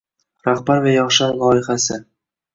“Rahbar va yoshlar loyhasi"